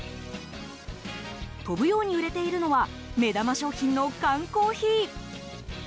飛ぶように売れているのは目玉商品の缶コーヒー。